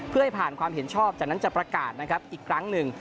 เพื่อให้ผ่านความเห็นชอบจากนั้นจะประกาศนะครับอีกครั้งหนึ่ง